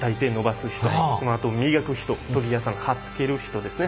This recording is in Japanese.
そのあと磨く人研ぎ屋さん刃付ける人ですね